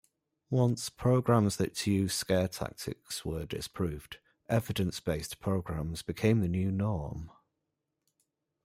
Once programs that used scare tactics were disproved, evidence-based programs became the new norm.